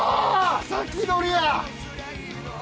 先取りや！